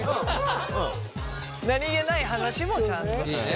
何気ない話もちゃんと。